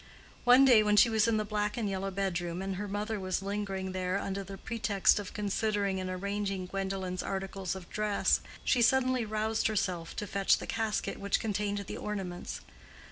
One day when she was in the black and yellow bedroom and her mother was lingering there under the pretext of considering and arranging Gwendolen's articles of dress, she suddenly roused herself to fetch the casket which contained the ornaments.